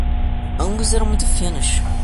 Ambos eram muito finos.